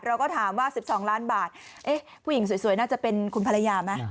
เราก็ถามว่า๑๒ล้านบาทผู้หญิงสวยน่าจะเป็นคุณภรรยาไหม